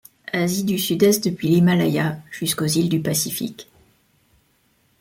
Asie du Sud-Est depuis l'Himalaya, jusqu'aux îles du Pacifique.